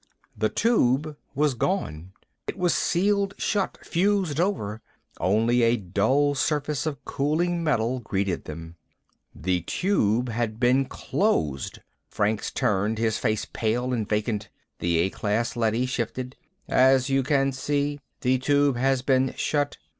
The Tube was gone. It was sealed shut, fused over. Only a dull surface of cooling metal greeted them. The Tube had been closed. Franks turned, his face pale and vacant. The A class leady shifted. "As you can see, the Tube has been shut.